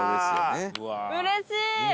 うれしい！